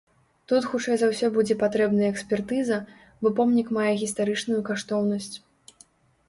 Тут хутчэй за ўсё будзе патрэбная экспертыза, бо помнік мае гістарычную каштоўнасць.